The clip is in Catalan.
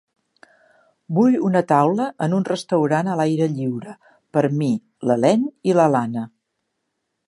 Vull una taula en un restaurant a l'aire lliure per a mi, la Helene i l'Alana.